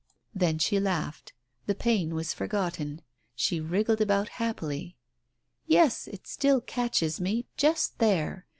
Then she laughed. The pain was forgotten. She wriggled about happily. "Yes, it still catches me ... just there